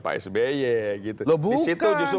pak sby di situ justru